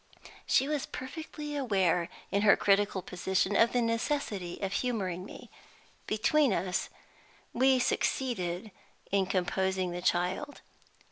She was perfectly aware, in her critical position, of the necessity of humoring me. Between us, we succeeded in composing the child.